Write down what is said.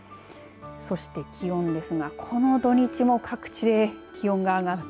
そして気温ですがこの土日も各地で気温が上がって。